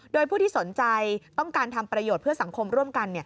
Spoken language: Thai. โดยผู้ที่สนใจต้องการทำประโยชน์เพื่อสังคมร่วมกัน